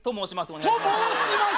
お願いします。